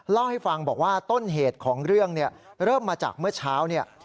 เล่าให้ฟังบอกว่าต้นเหตุของเรื่องเนี่ยเริ่มมาจากเมื่อเช้าเนี่ย